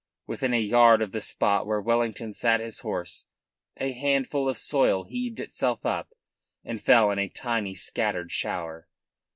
Within a yard of the spot where Wellington sat his horse a handful of soil heaved itself up and fell in a tiny scattered shower.